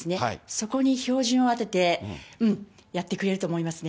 そこに標準を当ててやってくれると思いますね。